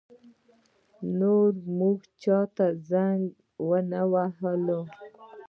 نور مو چا ته زنګ ونه وهلو.